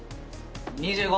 ２５！